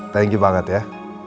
thank you banget ya